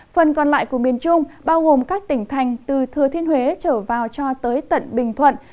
phần còn lại của miền trung bao gồm các tỉnh thành từ thừa thiên huế trở vào cho tới tận bình thuận